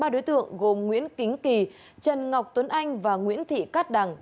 ba đối tượng gồm nguyễn kính kỳ trần ngọc tuấn anh và nguyễn thị cát đằng